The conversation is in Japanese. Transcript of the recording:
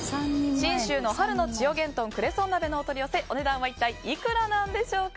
信州の春の千代幻豚クレソン鍋のお取り寄せお値段は一体いくらなんでしょうか。